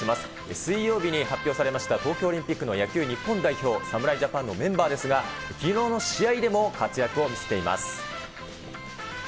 水曜日に発表されました東京オリンピックの野球日本代表、侍ジャパンのメンバーですが、きのうの試合でも活躍を見せています。